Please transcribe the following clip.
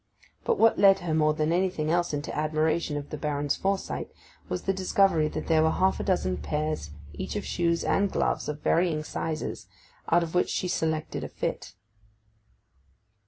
But what led her more than anything else into admiration of the Baron's foresight was the discovery that there were half a dozen pairs each of shoes and gloves, of varying sizes, out of which she selected a fit.